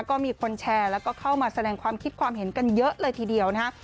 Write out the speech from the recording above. ก็มีคนแชร์แล้วก็เข้ามาแสดงความคิดความเห็นกันเยอะเลยทีเดียวนะฮะ